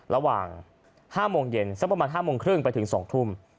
ระหว่าง๕โมงเย็นสักประมาณ๕โมงครึ่งไปถึง๒ทุ่ม